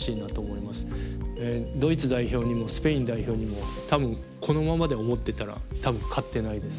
ドイツ代表にもスペイン代表にもこのままで思ってたら多分勝ってないです。